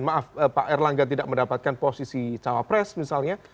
maaf pak erlangga tidak mendapatkan posisi cawapres misalnya